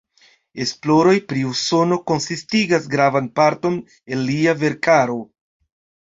Esploroj pri Usono konsistigas gravan parton el lia verkaro.